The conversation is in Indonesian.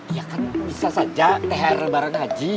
ya kan bisa saja thr lebaran haji